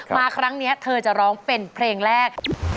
มาครั้งนี้เธอจะร้องเป็นเพลงแรก